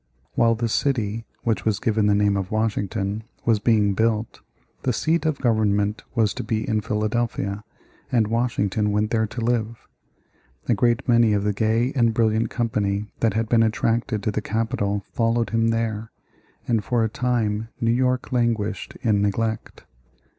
While the city (which was given the name of Washington) was being built, the seat of government was to be in Philadelphia, and Washington went there to live. A great many of the gay and brilliant company that had been attracted to the capital followed him there, and for a time New York languished in neglect.